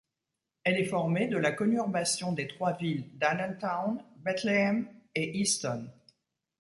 Elle est formée de la conurbation des trois villes d’Allentown, Bethlehem et Easton.